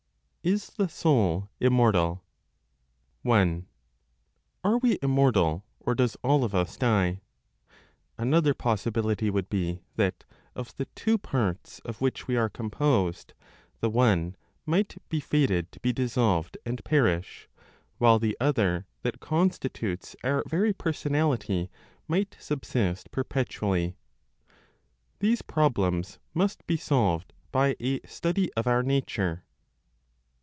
IS THE SOUL IMMORTAL? 1. Are we immortal, or does all of us die? (Another possibility would be that) of the two parts of which we are composed, the one might be fated to be dissolved and perish, while the other, that constitutes our very personality, might subsist perpetually. These problems must be solved by a study of our nature.